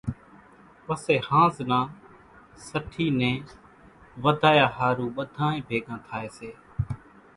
پسيَ ۿانز نان سٺِي نين وڌايا ۿارُو ٻڌانئين ڀيڳا ٿائيَ سي۔